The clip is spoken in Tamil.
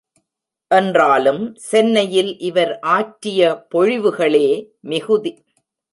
என்றாலும் சென்னையில் இவர் ஆற்றிய பொழிவுகளே மிகுதி.